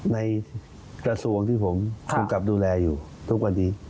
ในกระทรวงที่ผมกำกับดูแลอยู่ทุกวันนี้